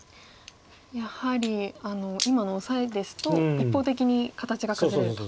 やはり今のオサエですと一方的に形が崩れると。